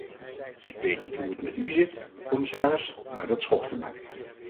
Ik weet niet hoe het met u zit, commissaris, maar dat schokte me.